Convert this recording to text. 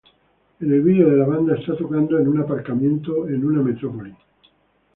En el video de la banda está tocando en un aparcamiento en una metrópoli.